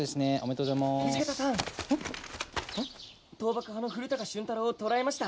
倒幕派の古高俊太郎を捕らえました。